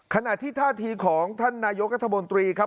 ขณะที่ท่าทีของท่านนายกัธมนตรีครับ